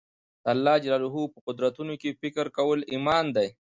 د الله جل جلاله په قدرتونو کښي فکر کول ایمان دئ.